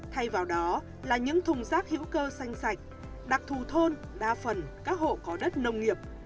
thay vào đó là những thùng rác hữu cơ xanh sạch đặc thù thôn đa phần các hộ có đất nông nghiệp